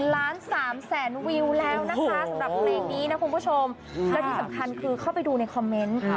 และที่สำคัญคือเข้าไปดูในคอมเมนต์